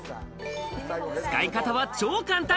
使い方は超簡単。